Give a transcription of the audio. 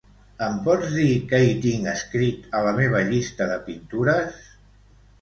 Em pots dir què hi tinc escrit a la meva llista de pintures?